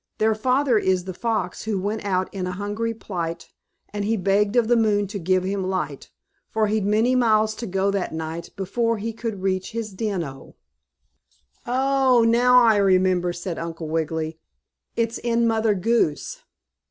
Their father is the fox who went out 'in a hungry plight, and he begged of the moon to give him light, for he'd many miles to go that night, before he could reach his den O.'" "Oh, now I remember," said Uncle Wiggily. "It's in Mother Goose."